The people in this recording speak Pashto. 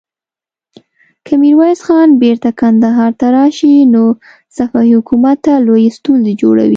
که ميرويس خان بېرته کندهار ته راشي، نو صفوي حکومت ته لويې ستونزې جوړوي.